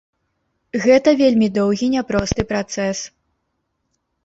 Гэта вельмі доўгі няпросты працэс.